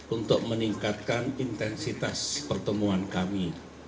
untuk meningkatkan intensitas pertemuan kami